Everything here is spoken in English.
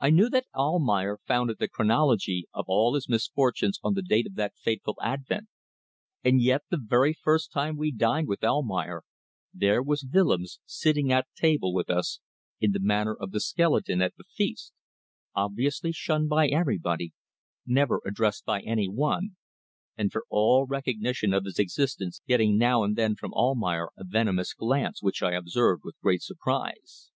I knew that Almayer founded the chronology of all his misfortunes on the date of that fateful advent; and yet the very first time we dined with Almayer there was Willems sitting at table with us in the manner of the skeleton at the feast, obviously shunned by everybody, never addressed by any one, and for all recognition of his existence getting now and then from Almayer a venomous glance which I observed with great surprise.